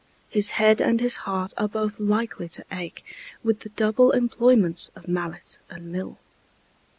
His head and his heart are both likely to ache With the double employment of mallet and mill.